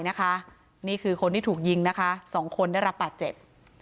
นี่คือคนที่ถูกยิง๒คนได้รับปัจจ์เจ็บ